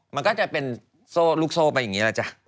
มันก็จะเป็นลูกโซ่ไปอย่างนี้แหละจ๊ะ